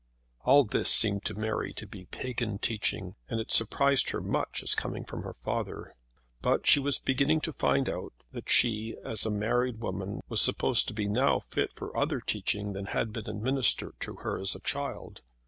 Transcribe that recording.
All this seemed to Mary to be pagan teaching, and it surprised her much as coming from her father. But she was beginning to find out that she, as a married woman, was supposed to be now fit for other teaching than had been administered to her as a child.